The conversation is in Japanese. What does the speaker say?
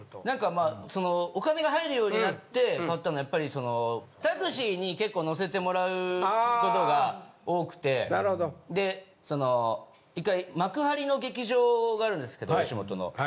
なんかまあそのお金が入るようになって変わったのやっぱりタクシーに結構乗せてもらうことが多くてでその１回幕張の劇場があるんですけど吉本の。